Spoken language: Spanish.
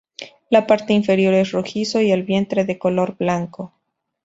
La parte inferior es rojizo y el vientre de color blanco.